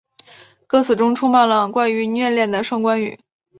歌词中充满了关于虐恋的双关语。